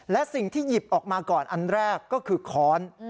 และสิ่งที่หยิบออกมาก่อนอันแรกก็คือค้อน